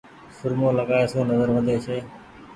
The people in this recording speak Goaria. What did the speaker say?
سرمو لگآئي سون نزر وڌي ڇي۔